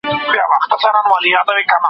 که تاسو غواړئ نو دا کتاب له ما څخه واخلئ.